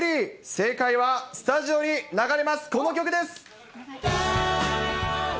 正解はスタジオに流れます、この曲です。